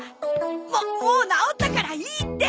もう治ったからいいって！